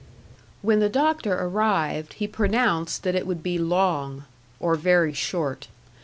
When the doctor arrived, he pronounced that it would be long or very short.